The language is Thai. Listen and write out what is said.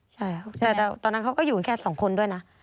ใช่แต่ตอนนั้นเขาก็อยู่แค่สองคนด้วยนะ